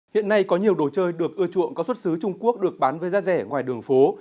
hiện nay có nhiều đồ chơi được ưa chuộng có xuất xứ trung quốc được bán với giá rẻ ngoài đường phố